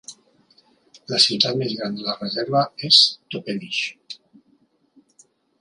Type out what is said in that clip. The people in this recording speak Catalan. La ciutat més gran de la reserva és Toppenish.